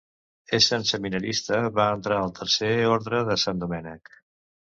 Essent seminarista va entrar al Tercer Orde de Sant Domènec.